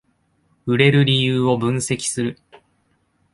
売れる理由を分析する